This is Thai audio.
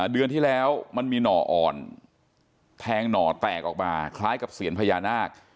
เดือนที่แล้วมันมีหน่ออ่อนแทงหน่อแตกออกมาคล้ายกับเสียญพญานาค